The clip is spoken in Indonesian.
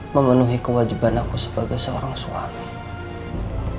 memenuhi kewajiban aku sebagai seorang suami